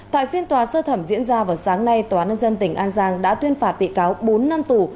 tại phiên tòa sơ thẩm diễn ra vào sáng nay tòa án nhân dân tỉnh an giang đã tuyên phạt bị cáo bốn năm tù